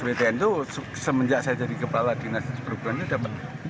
wtn itu semenjak saya jadi kepala dinas perhubungannya dapat